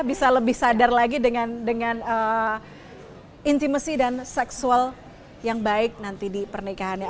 bisa lebih sadar lagi dengan intimacy dan seksual yang baik nanti di pernikahannya